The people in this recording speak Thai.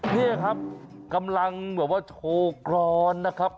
นี่ครับกำลังแบบว่าโชว์กรอนนะครับ